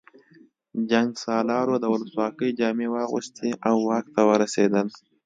جنګسالارانو د ولسواکۍ جامې واغوستې او واک ته ورسېدل